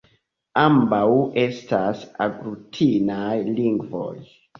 Ambaŭ estas aglutinaj lingvoj.